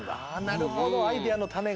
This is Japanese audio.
なるほどアイデアのたねが。